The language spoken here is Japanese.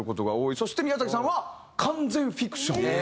そして宮崎さんは完全フィクション。